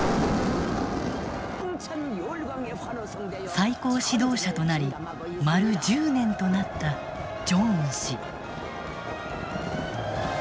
最高指導者となり丸１０年となったジョンウン氏。